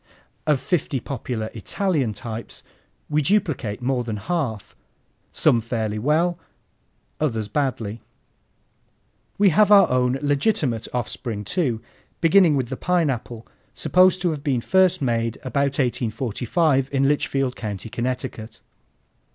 Of fifty popular Italian types we duplicate more than half, some fairly well, others badly. We have our own legitimate offspring too, beginning with the Pineapple, supposed to have been first made about 1845 in Litchfield County, Connecticut.